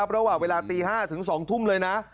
ระหว่างเวลาตี๕ถึง๒ทุ่มเลยนะ